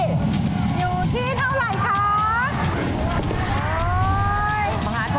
อยู่ที่เท่าไหร่คะ